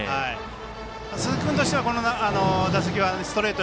鈴木君としては、この打席はストレート